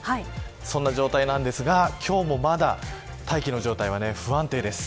そういう状態なんですが今日もまだ大気の状態は不安定です。